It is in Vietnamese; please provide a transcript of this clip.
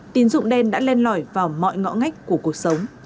tín dụng đen đã len lỏi vào mọi ngõ ngách của cuộc sống